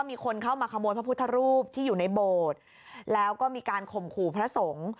มีคนเข้ามาขโมยพระพุทธรูปที่อยู่ในโบสถ์แล้วก็มีการข่มขู่พระสงฆ์